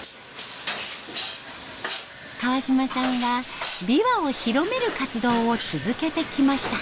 川嶋さんは琵琶を広める活動を続けてきました。